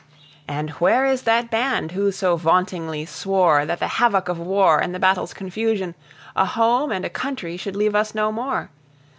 And where is that band who so vauntingly swore That the havoc of war and the battle's confusion A home and a country should leave us no more?